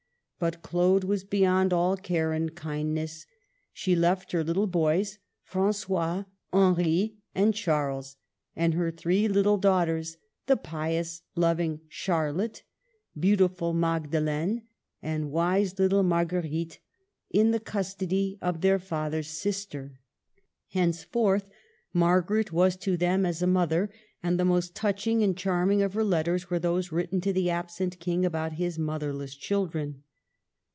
But Claude was beyond all care and kindness. She left her three little boys, Frangois, Henri, and Charles, and her three little daughters, the pious, loving Charlotte, beautiful Magdelaine, and wise little Marguerite, in the custody of their father's sister. Henceforth Margaret was to them as a mother ; and the most touching and charming of her letters are those written to the absent King about his motherless children.